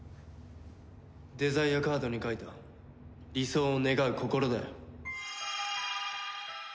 デザイアカードに書いた理想を願う心だよ。